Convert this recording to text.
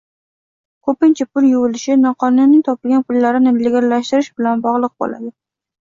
Ko‘pincha pul yuvilishi, noqonuniy topilgan pullarni legallashtirish bilan bog‘liq bo‘ladi.